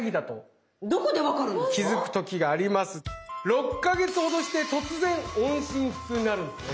６か月ほどして突然音信不通になるんですね。